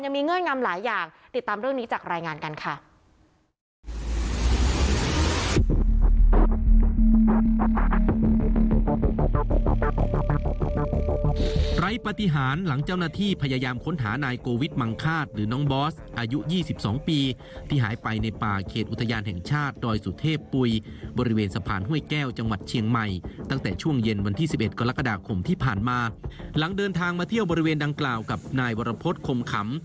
เงื่อนงำหลายอย่างติดตามเรื่องนี้จากรายงานกันค่ะ